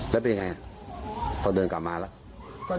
แล้วไปไงพอยังกลับมาจะหยุด